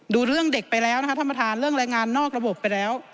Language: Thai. ดูเรื่องเด็กไปแล้วนะคะท่านประธานเรื่องแรงงานนอกระบบไปแล้ว